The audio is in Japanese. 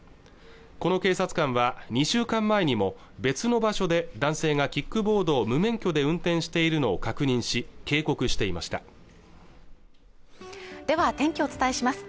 この警察官は２週間前にも別の場所で男性がキックボードを無免許で運転しているのを確認し警告していましたでは天気をお伝えします